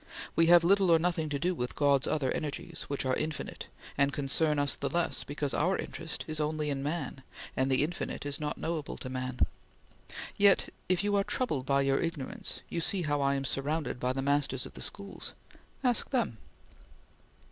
We have little or nothing to do with God's other energies which are infinite, and concern us the less because our interest is only in man, and the infinite is not knowable to man. Yet if you are troubled by your ignorance, you see how I am surrounded by the masters of the schools! Ask them!"